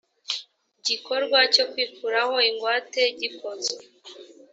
gikorwa cyo kwikuraho ingwate gikozwe